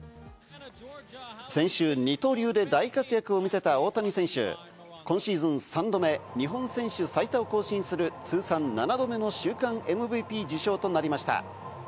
先週、二刀流で大活躍を見せた大谷選手、今シーズン３度目、日本選手最多を更新する通算７度目の週間ＭＶＰ受賞となりました。